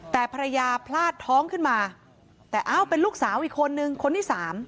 แต่ภรรยาพลาดท้องขึ้นมาแต่เอ้าเป็นลูกสาวอีกคนนึงคนที่สาม